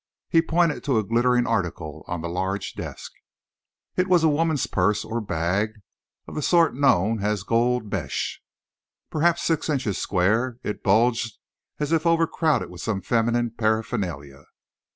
He pointed to a glittering article on the large desk. It was a woman's purse, or bag, of the sort known as "gold mesh." Perhaps six inches square, it bulged as if overcrowded with some feminine paraphernalia.